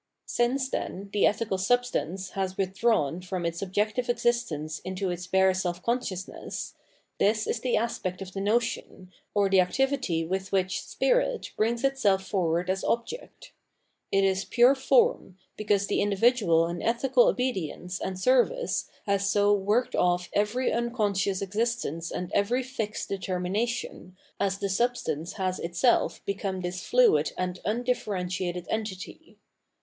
* Since, then, the ethical substance has withdrawn from its objective existence into its bare self conscious ness, this is the aspect of the notion, or the activity with which spirit brings itself forward as object. It is pure form, because the individual in ethical obedience and service has so worked off every unconscious existence and every fixed determination, as the sub stance has itself become this fluid and undifferentiated entity.